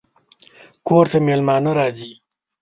کور ته مېلمانه راځي